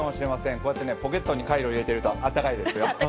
こうやってポケットにカイロ入れてると温かいですよ。